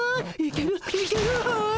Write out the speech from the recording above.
いけるわ！